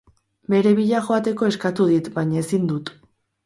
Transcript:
Bere bila joateko eskatu dit, baina ezin dut.